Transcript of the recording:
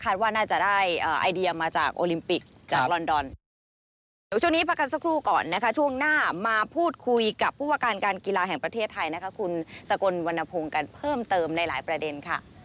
คาดว่าน่าจะได้ไอเดียมาจากโอลิมปิกจากลอนดอน